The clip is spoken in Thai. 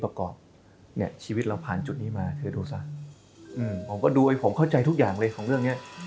ประกอบเนี่ยชีวิตเราผ่านจุดนี้มาเทโทษะผมก็ดูให้ผมเข้าใจทุกอย่างเลยของเรื่องเนี้ย